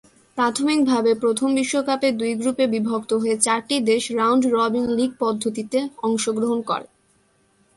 প্রাথমিকভাবে প্রথম বিশ্বকাপে দুই গ্রুপে বিভক্ত হয়ে চারটি দেশ রাউন্ড-রবিন লীগ পদ্ধতিতে অংশগ্রহণ করে।